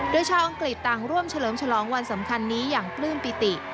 โดยชาวอังกฤษต่างร่วมเฉลิมฉลองวันสำคัญนี้อย่างปลื้มปิติ